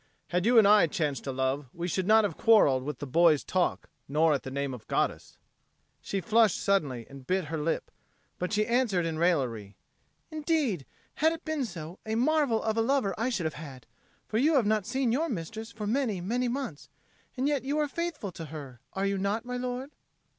"Had you and I chanced to love, we should not have quarrelled with the boys' talk nor at the name of goddess." She flushed suddenly and bit her lip, but she answered in raillery, "Indeed had it been so, a marvel of a lover I should have had! For you have not seen your mistress for many, many months, and yet you are faithful to her. Are you not, my lord?"